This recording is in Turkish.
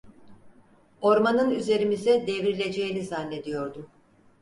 Ormanın üzerimize devrileceğini zannediyordum.